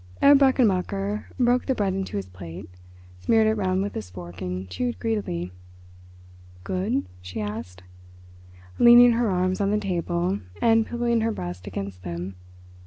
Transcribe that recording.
Herr Brechenmacher broke the bread into his plate, smeared it round with his fork and chewed greedily. "Good?" she asked, leaning her arms on the table and pillowing her breast against them.